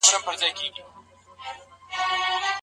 مېرمني ته ډاډ ورکول پکار دي چي تېروتونکې نه ده.